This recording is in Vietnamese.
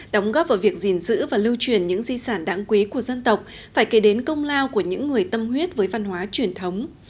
đóng góp vào việc gìn giữ và lưu truyền những di sản đáng quý của dân tộc phải kể đến công lao của những người tâm huyết với văn hóa truyền thống